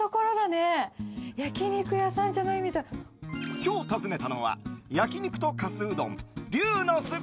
今日訪ねたのは焼肉とかすうどん龍の巣。